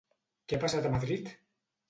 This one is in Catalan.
Què ha passat a Madrid?